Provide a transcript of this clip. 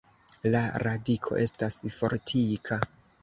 La radiko estas fortika.